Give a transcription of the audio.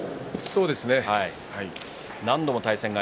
そうですね。